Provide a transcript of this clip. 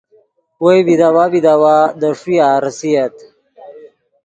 وئے بیداوا بیداوا دے ݰویہ ریسییت